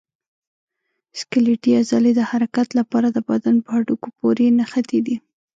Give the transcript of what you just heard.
سکلیټي عضلې د حرکت لپاره د بدن په هډوکو پورې نښتي دي.